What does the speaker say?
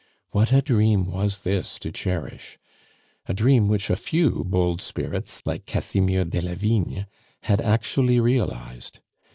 What a dream was this to cherish! A dream which a few bold spirits like Casimir Delavigne had actually realized.